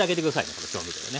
この調味料ね。